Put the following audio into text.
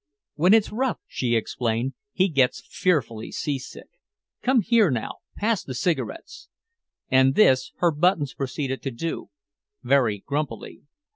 When it's rough," she explained, "he gets fearfully seasick. Come here now, pass the cigarettes." And this her Buttons proceeded to do very grumpily.